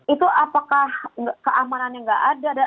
itu apakah keamanannya nggak ada